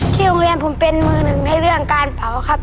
โรงเรียนผมเป็นมือหนึ่งในเรื่องการเผาครับ